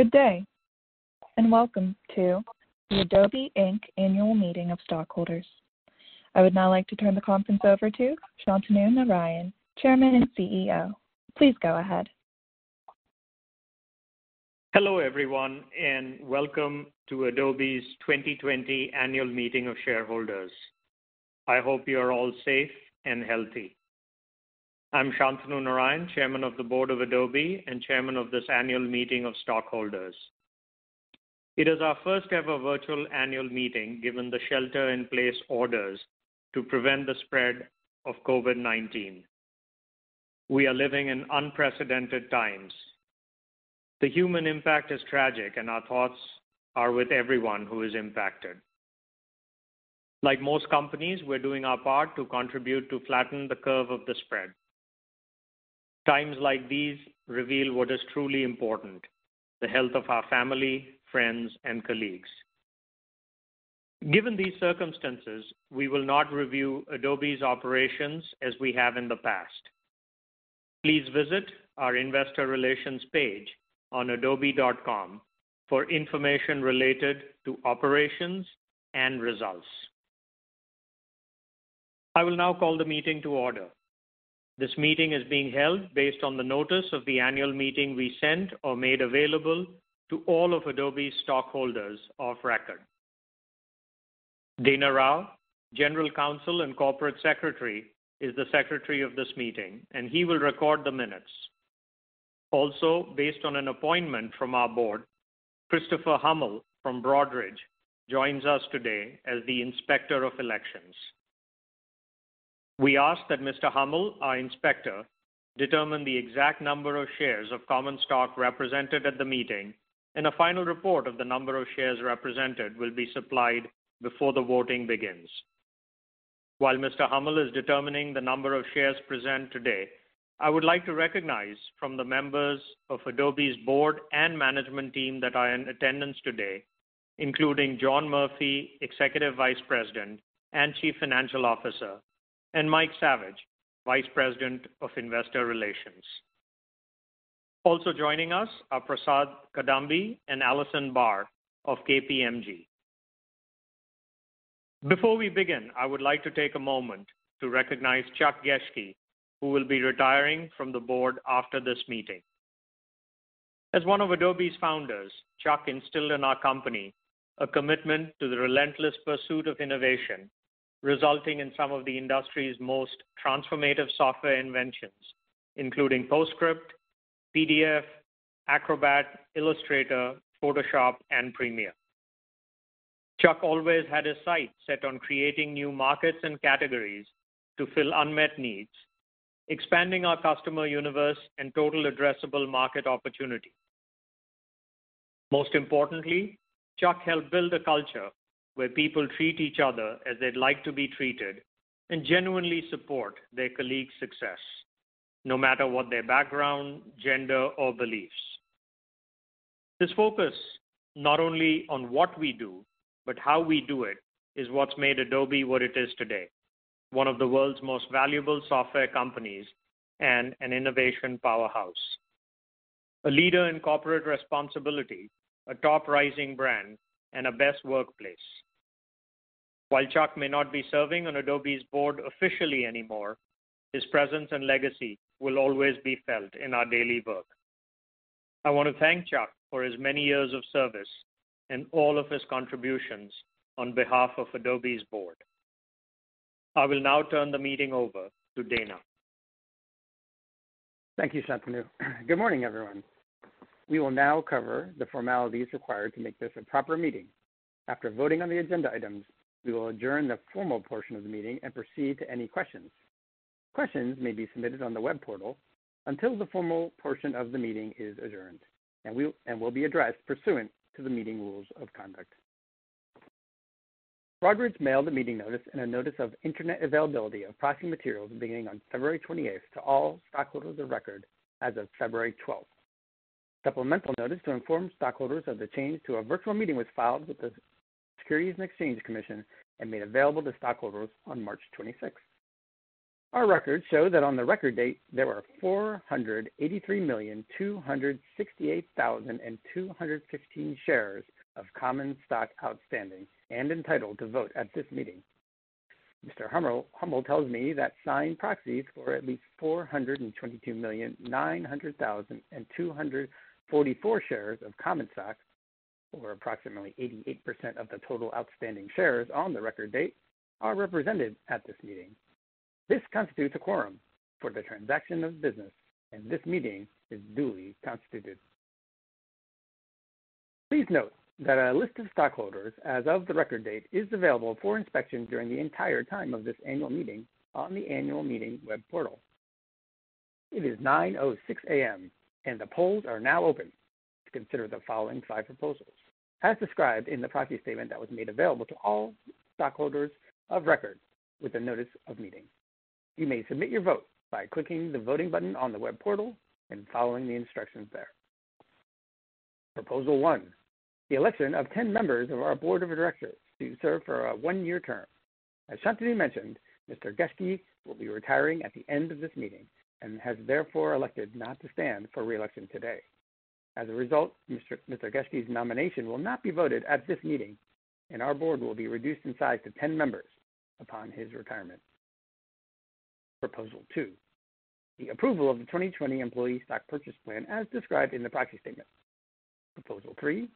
Good day, and welcome to the Adobe Inc. Annual Meeting of Stockholders. I would now like to turn the conference over to Shantanu Narayen, Chairman and CEO. Please go ahead. Hello everyone, welcome to Adobe's 2020 Annual Meeting of Shareholders. I hope you're all safe and healthy. I'm Shantanu Narayen, Chairman of the Board of Adobe and Chairman of this Annual Meeting of Stockholders. It is our first-ever virtual annual meeting, given the shelter-in-place orders to prevent the spread of COVID-19. We are living in unprecedented times. The human impact is tragic, and our thoughts are with everyone who is impacted. Like most companies, we're doing our part to contribute to flatten the curve of the spread. Times like this reveal what is truly important: the health of our family, friends, and colleagues. Given these circumstances, we will not review Adobe's operations as we have in the past. Please visit our investor relations page on adobe.com for information related to operations and results. I will now call the meeting to order. This meeting is being held based on the notice of the annual meeting we sent or made available to all of Adobe's stockholders of record. Dana Rao, General Counsel and Corporate Secretary, is the secretary of this meeting, and he will record the minutes. Also, based on an appointment from our board, Christopher Hummel from Broadridge joins us today as the Inspector of Elections. We ask that Mr. Hummel, our inspector, determine the exact number of shares of common stock represented at the meeting, and a final report of the number of shares represented will be supplied before the voting begins. While Mr. Hummel is determining the number of shares present today, I would like to recognize from the members of Adobe's board and management team that are in attendance today, including John Murphy, Executive Vice President and Chief Financial Officer, and Mike Saviage, Vice President of Investor Relations. Also joining us are Prasadh Cadambi and Alison Barr of KPMG. Before we begin, I would like to take a moment to recognize Chuck Geschke, who will be retiring from the board after this meeting. As one of Adobe's founders, Chuck instilled in our company a commitment to the relentless pursuit of innovation, resulting in some of the industry's most transformative software inventions, including PostScript, PDF, Acrobat, Illustrator, Photoshop, and Premiere. Chuck always had his sights set on creating new markets and categories to fill unmet needs, expanding our customer universe, and total addressable market opportunity. Most importantly, Chuck helped build a culture where people treat each other as they'd like to be treated and genuinely support their colleagues' success, no matter what their background, gender, or beliefs. This focus, not only on what we do, but how we do it, is what's made Adobe what it is today, one of the world's most valuable software companies and an innovation powerhouse, a leader in corporate responsibility, a top rising brand, and a best workplace. While Chuck may not be serving on Adobe's board officially anymore, his presence and legacy will always be felt in our daily work. I want to thank Chuck for his many years of service and all of his contributions on behalf of Adobe's board. I will now turn the meeting over to Dana. Thank you, Shantanu. Good morning, everyone. We will now cover the formalities required to make this a proper meeting. After voting on the agenda items, we will adjourn the formal portion of the meeting and proceed to any questions. Questions may be submitted on the web portal until the formal portion of the meeting is adjourned and will be addressed pursuant to the meeting rules of conduct. Broadridge mailed the meeting notice and a notice of Internet availability of proxy materials beginning on February 28th to all stockholders of record as of February 12th. Supplemental notice to inform stockholders of the change to a virtual meeting was filed with the Securities and Exchange Commission and made available to stockholders on March 26th. Our records show that on the record date, there were 483,268,215 shares of common stock outstanding and entitled to vote at this meeting. Mr. Hummel tells me that signed proxies for at least 422,900,244 shares of common stock, or approximately 88% of the total outstanding shares on the record date, are represented at this meeting. This constitutes a quorum for the transaction of business, and this meeting is duly constituted. Please note that a list of stockholders as of the record date is available for inspection during the entire time of this Annual Meeting on the Annual Meeting web portal. It is 9:06 A.M., and the polls are now open to consider the following five proposals. As described in the proxy statement that was made available to all stockholders of record with the notice of meeting. You may submit your vote by clicking the Voting button on the web portal and following the instructions there. Proposal one. The election of 10 members of our board of directors to serve for a one-year term. As Shantanu mentioned, Mr. Geschke will be retiring at the end of this meeting and has therefore elected not to stand for re-election today. As a result, Mr. Geschke's nomination will not be voted at this meeting, and our board will be reduced in size to 10 members upon his retirement. Proposal 2, the approval of the 2020 Employee Stock Purchase Plan as described in the proxy statement. Proposal 3,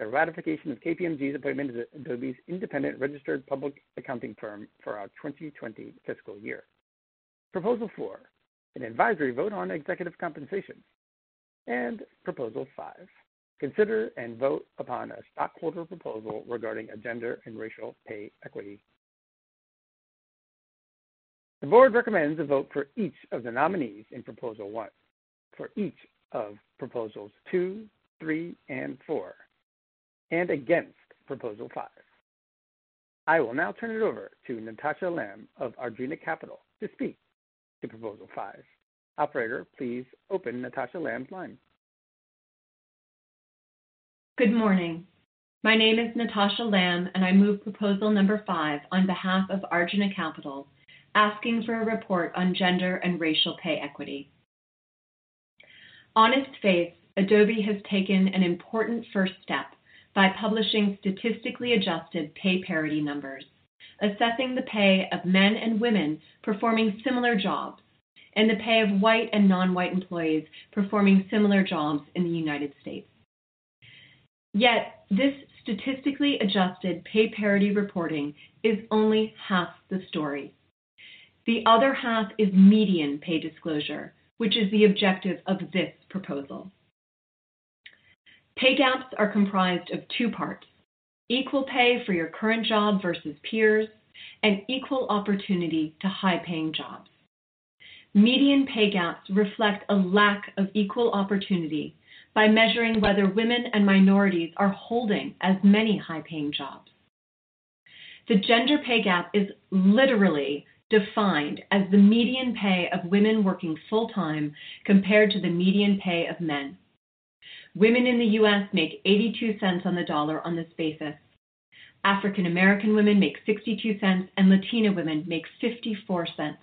the ratification of KPMG's appointment as Adobe's independent registered public accounting firm for our 2020 fiscal year. Proposal 4, an advisory vote on executive compensation. Proposal 5, consider and vote upon a stockholder proposal regarding a Gender and Racial Pay Equity. The board recommends a vote for each of the nominees in Proposal 1, for each of Proposals 2, 3, and 4, and against Proposal 5. I will now turn it over to Natasha Lamb of Arjuna Capital to speak to proposal five. Operator, please open Natasha Lamb's line. Good morning. My name is Natasha Lamb, and I move proposal number five on behalf of Arjuna Capital, asking for a report on gender and racial pay equity. Honest faith, Adobe has taken an important first step by publishing statistically adjusted pay parity numbers, assessing the pay of men and women performing similar jobs, and the pay of White and non-White employees performing similar jobs in the United States. This statistically adjusted pay parity reporting is only half the story. The other half is median pay disclosure, which is the objective of this proposal. Pay gaps are comprised of two parts: equal pay for your current job versus peers and equal opportunity to high-paying jobs. Median pay gaps reflect a lack of equal opportunity by measuring whether women and minorities are holding as many high-paying jobs. The gender pay gap is literally defined as the median pay of women working full-time compared to the median pay of men. Women in the U.S. make $0.82 on the dollar on this basis. African American women make $0.62, and Latina women make $0.54.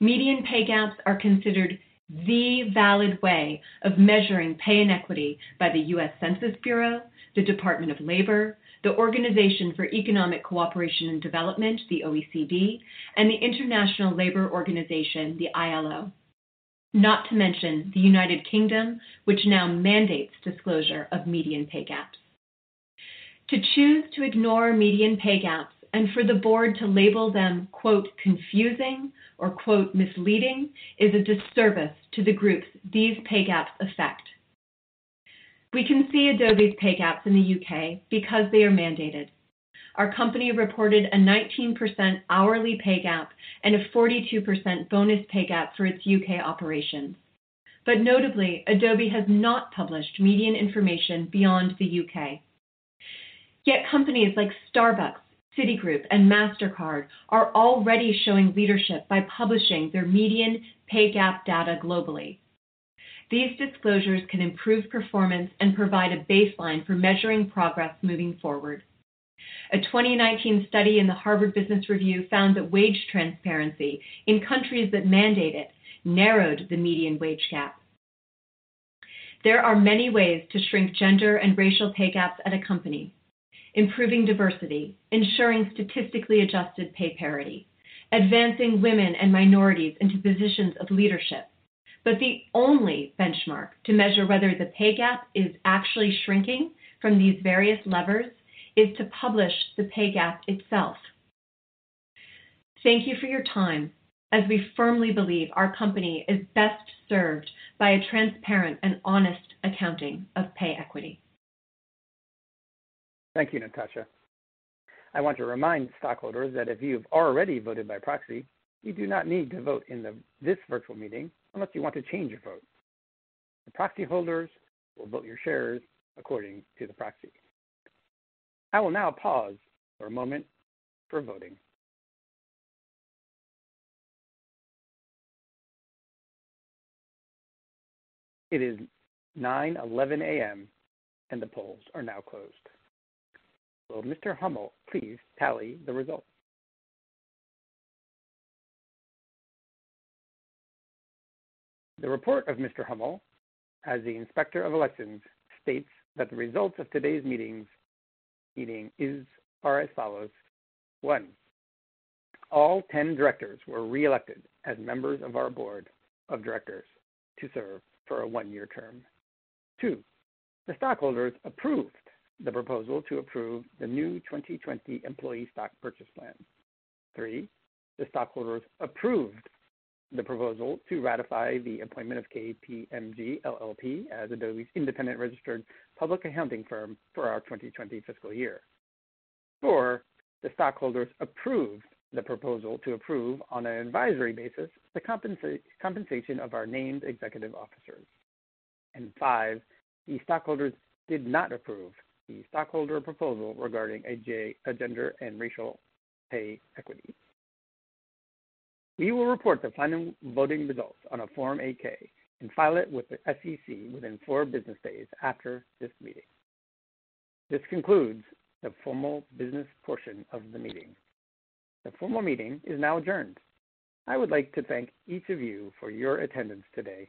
Median pay gaps are considered the valid way of measuring pay inequity by the U.S. Census Bureau, the Department of Labor, the Organisation for Economic Co-operation and Development, the OECD, and the International Labor Organization, the ILO. Not to mention the United Kingdom, which now mandates disclosure of median pay gaps. To choose to ignore median pay gaps and for the board to label them, quote, "confusing" or, quote, "misleading" is a disservice to the groups these pay gaps affect. We can see Adobe's pay gaps in the U.K. because they are mandated. Our company reported a 19% hourly pay gap, and a 42% bonus pay gap for its U.K. operations. Notably, Adobe has not published median information beyond the U.K. Companies like Starbucks, Citigroup, and Mastercard are already showing leadership by publishing their median pay gap data globally. These disclosures can improve performance and provide a baseline for measuring progress moving forward. A 2019 study in the Harvard Business Review found that wage transparency in countries that mandate it narrowed the median wage gap. There are many ways to shrink gender and racial pay gaps at a company: improving diversity, ensuring statistically adjusted pay parity, and advancing women and minorities into positions of leadership. The only benchmark to measure whether the pay gap is actually shrinking from these various levers is to publish the pay gap itself. Thank you for your time, as we firmly believe our company is best served by a transparent and honest accounting of pay equity. Thank you, Natasha. I want to remind stockholders that if you've already voted by proxy, you do not need to vote in this virtual meeting unless you want to change your vote. The proxy holders will vote your shares according to the proxy. I will now pause for a moment for voting. It is 9:11 A.M., and the polls are now closed. Will Mr. Hummel please tally the results? The report of Mr. Hummel, as the Inspector of Elections, states that the results of today's meeting are as follows. One, all 10 directors were re-elected as members of our board of directors to serve for a one-year term. Two, the stockholders approved the proposal to approve the new 2020 employee stock purchase plan. Three, the stockholders approved the proposal to ratify the appointment of KPMG LLP as Adobe's independent registered public accounting firm for our 2020 fiscal year. Four, the stockholders approved the proposal to approve, on an advisory basis, the compensation of our named executive officers. Five, the stockholders did not approve the stockholder proposal regarding gender and racial pay equity. We will report the final voting results on a Form 8-K and file it with the SEC within four business days after this meeting. This concludes the formal business portion of the meeting. The formal meeting is now adjourned. I would like to thank each of you for your attendance today.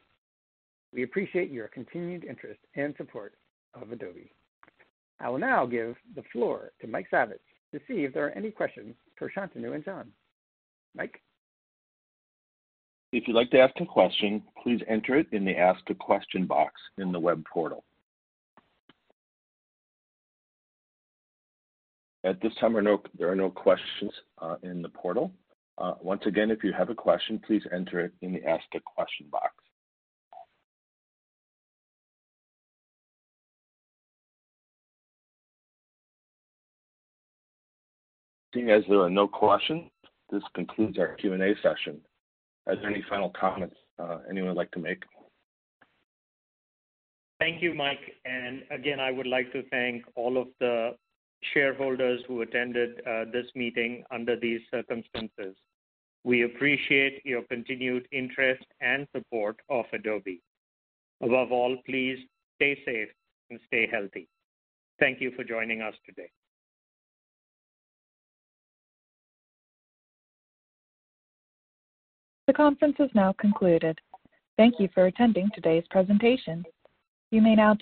We appreciate your continued interest and support of Adobe. I will now give the floor to Mike Saviage to see if there are any questions for Shantanu and John. Mike? If you'd like to ask a question, please enter it in the ask a question box in the web portal. At this time, there are no questions in the portal. Once again, if you have a question, please enter it in the ask a question box. Seeing as there are no questions, this concludes our Q&A session. Are there any final comments anyone would like to make? Thank you, Mike. Again, I would like to thank all of the shareholders who attended this meeting under these circumstances. We appreciate your continued interest and support of Adobe. Above all, please stay safe and stay healthy. Thank you for joining us today. The conference has now concluded. Thank you for attending today's presentation. You may now...